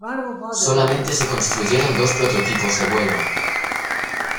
Solamente se construyeron dos prototipos de vuelo.